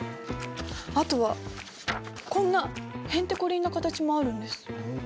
あとはこんなへんてこりんな形もあるんです。